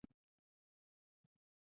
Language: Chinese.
他们使用了重叠的窗口。